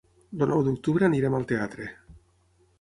El nou d'octubre irem al teatre.